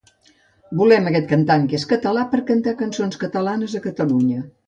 Volem aquest cantant que és català per cantar cançons catalanes a Catalunya